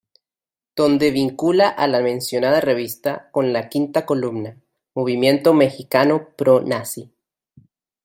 Donde vincula a la mencionada revista con la Quinta columna, movimiento mexicano pro nazi.